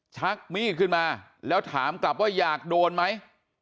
ชักมีดขึ้นมาแล้วถามกลับว่าอยากโดนไหม